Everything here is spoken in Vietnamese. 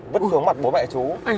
vứt hướng mặt bố mẹ chú